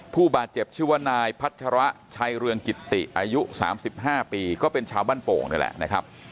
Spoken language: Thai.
ผู้บาดเจ็บชื่อว่านายพัชระชัยเรืองกิตติอายุ๓๕ปีก็เป็นชาวบ้านโป่งนี่แหละนะครับ